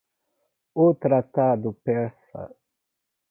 O Tratado Persa